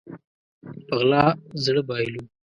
په غلا زړه بايلو